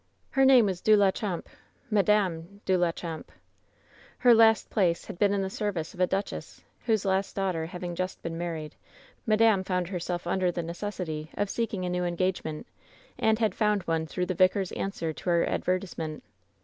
Her name was De la Champe — Madame de la Champe. Her last place 154 WHEN SHADOWS DIE had been in the service of a duchess, whose last daugh' ter having just been married, madame found herself under the necessity of seeking a new engagement, and had found one through the vicar^s answer to her adver tisement.